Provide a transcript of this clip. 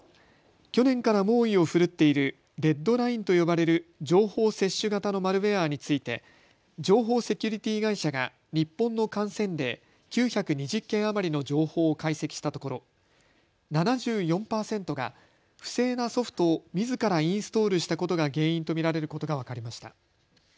去年から猛威を振るっているレッドラインと呼ばれる情報窃取型のマルウエアについて情報セキュリティー会社が日本の感染例、９２０件余りの情報を解析したところ７４％が不正なソフトをみずからインストールしたことが原因と見られることが分かりました。